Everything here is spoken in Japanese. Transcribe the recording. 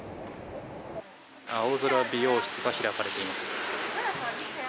青空美容室が開かれています。